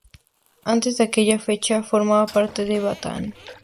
Antes de aquella fecha formaba parte de Bataan.